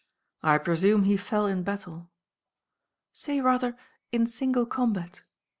"I presume he fell in battle?" "Say rather in single combat."